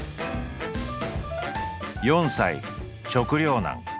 「４歳食糧難。